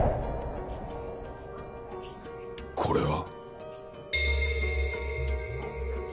これは？